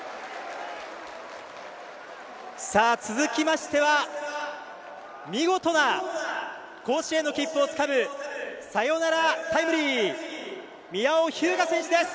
続きましては見事な甲子園の切符をつかむサヨナラタイムリー宮尾日向選手です。